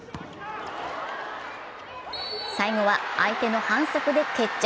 最後は相手の反則で決着。